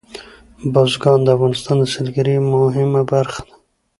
بزګان د افغانستان د سیلګرۍ یوه مهمه برخه ده.